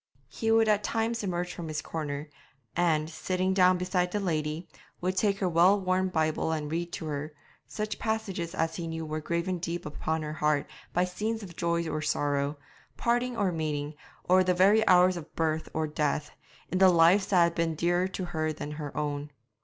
He would at times emerge from his corner, and, sitting down beside the lady, would take her well worn Bible and read to her such passages as he knew were graven deep upon her heart by scenes of joy or sorrow, parting or meeting, or the very hours of birth or death, in the lives that had been dearer to her than her own.